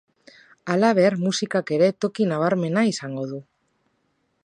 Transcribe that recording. Halaber, musikak ere toki nabarmena izango du.